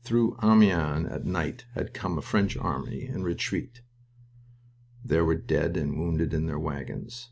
Through Amiens at night had come a French army in retreat. There were dead and wounded on their wagons.